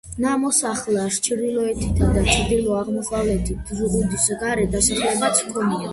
ნამოსახლარს, ჩრდილოეთითა და ჩრდილო-აღმოსავლეთით, ზღუდის გარე დასახლებაც ჰქონია.